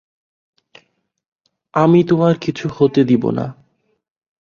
আমি তোমার কিছু হতে দিব না।